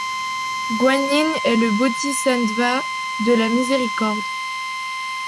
Guanyin est le bodhisattva de la miséricorde.